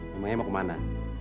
kemana mau kemana